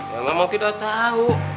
ya emang tidak tau